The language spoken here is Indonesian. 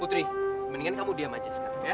putri mendingan kamu diam aja sekarang ya